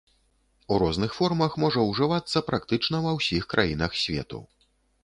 У розных формах можа ўжывацца практычна ва ўсіх краінах свету.